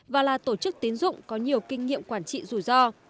và là tổ chức tín dụng có nhiều kinh nghiệm quản trị rủi ro